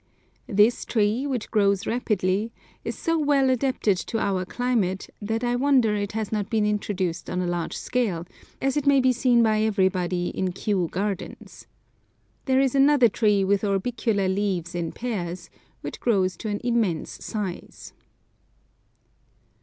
This tree, which grows rapidly, is so well adapted to our climate that I wonder it has not been introduced on a large scale, as it may be seen by everybody in Kew Gardens. There is another tree with orbicular leaves in pairs, which grows to an immense size.